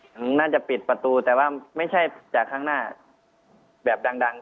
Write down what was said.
มันน่าจะปิดประตูแต่ว่าไม่ใช่จากข้างหน้าแบบดัง